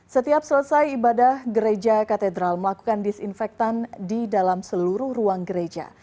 setiap selesai ibadah gereja katedral melakukan disinfektan di dalam seluruh ruang gereja